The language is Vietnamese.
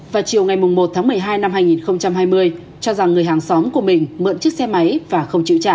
vào chiều ngày một tháng một mươi hai năm hai nghìn hai mươi cho rằng người hàng xóm của mình mượn chiếc xe máy và không chịu trả